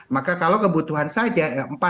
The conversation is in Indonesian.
maka kalau kebutuhan saja empat sembilan